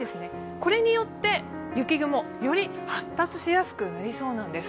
これによって雪雲、より発達しやすくなりそうなんです。